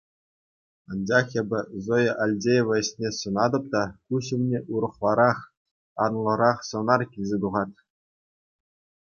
Анчах эпӗ Зоя Альдеева ӗҫне сӑнатӑп та, куҫ умне урӑхларах, анлӑрах сӑнар килсе тухать.